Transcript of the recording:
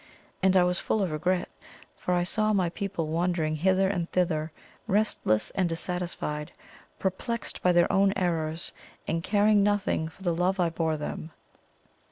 And I was full of regret, for I saw my people wandering hither and thither, restless and dissatisfied, perplexed by their own errors, and caring nothing for the love I bore them.